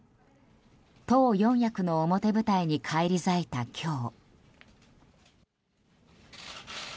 党四役の表舞台に返り咲いた今日。